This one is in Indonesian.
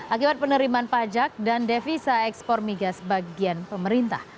akibat penerimaan pajak dan devisa ekspor migas bagian pemerintah